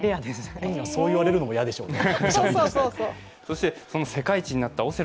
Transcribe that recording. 本人はそう言われるのは嫌でしょうね。